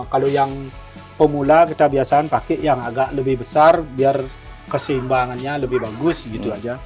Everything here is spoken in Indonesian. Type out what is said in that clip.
kalau yang pemula kita biasakan pakai yang agak lebih besar biar keseimbangannya lebih bagus gitu aja